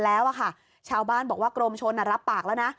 แล้วอ่ะค่ะชาวบ้านบอกว่ากรมชนน่ะรับปากแล้วน่ะ